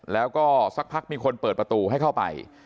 แล้วก็สักพักมีคนเปิดประตูให้เข้าไป